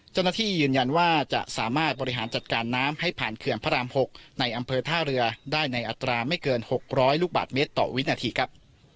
เจ้าหน้าที่ยืนยันว่าจะสามารถบริหารจัดการน้ำให้ผ่านเขื่อนพระราม๖ในอำเภอท่าเรือได้ในอัตราไม่เกิน๖๐๐ลูกบาทเมตรต่อวินาทีครับ